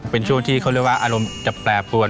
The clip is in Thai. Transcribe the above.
เป็นช่วงที่เขาเรียกว่าอารมณ์จะแปรปรวน